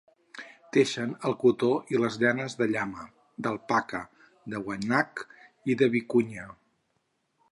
Teixien el cotó i les llanes de llama, d'alpaca, de guanac i de vicunya.